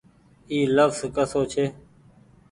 اي لڦز ڪسو ڇي۔